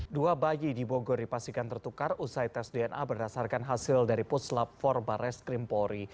dua bayi di bogor dipastikan tertukar usai tes dna berdasarkan hasil dari puslap forbares krimpori